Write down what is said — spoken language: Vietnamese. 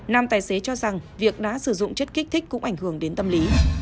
nam tài xế cho rằng việc đã sử dụng chất kích thích cũng ảnh hưởng đến tâm lý